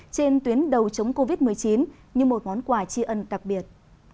trên tuyến đầu chống covid một mươi chín như một món quà tri ân đặc biệt